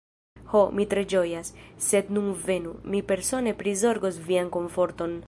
Ho, mi tre ĝojas; sed nun venu, mi persone prizorgos vian komforton.